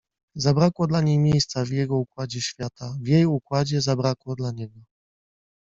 Zabrakło dla niej miejsca w jego układzie świata - w jej układzie, zabrakło dla niego.